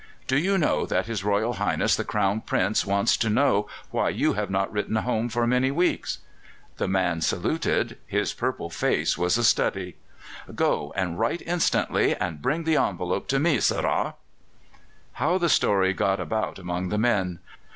"Do you know that His Royal Highness the Crown Prince wants to know why you have not written home for many weeks?" The man saluted. His purple face was a study. "Go and write instantly, and bring the envelope to me, sirrah." How that story got about among the men!